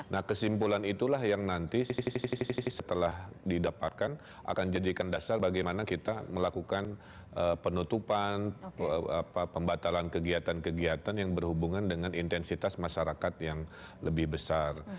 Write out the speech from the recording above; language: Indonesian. nah kesimpulan itulah yang nanti setelah didapatkan akan jadikan dasar bagaimana kita melakukan penutupan pembatalan kegiatan kegiatan yang berhubungan dengan intensitas masyarakat yang lebih besar